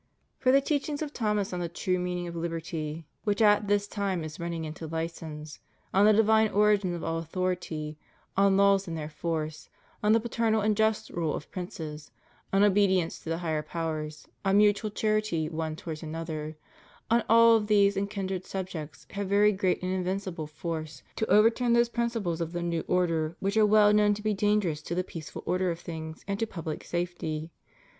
For the teachings of Thomas on the true meaning of liberty, which at this time is running into license, on the divine origin of all authority, on laws and their force, on the paternal and just rule of princes, on obedience to the higher powers, on mutual charity one towards another — on all of these and kindred subjects have very great and invincible force to overturn those principles of » 1 Peter iii. 15. ' Tit. L 9. THE STUDY OF SCHOLASTIC PHILOSOPHY. 56 the new order which are well known to be dangerous to the peaceful order of things and to public safety.